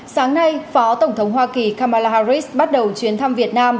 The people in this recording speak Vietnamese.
sáng nay phó tổng thống hoa kỳ kamala harris bắt đầu chuyến thăm việt nam